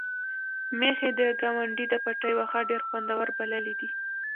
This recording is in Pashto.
میښې د ګاونډي د پټي واښه ډېر خوندور بللي دي.